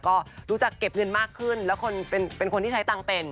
ก็รู้จักเก็บเงินมากขึ้นแล้วคนเป็นคนที่ใช้ตังค์เป็น